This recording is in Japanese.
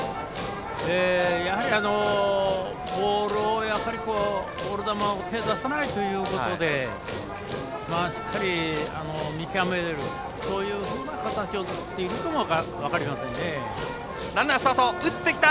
やはり、ボール球を手を出さないということでしっかり見極めるそういうふうな形を作っているかも分かりませんね。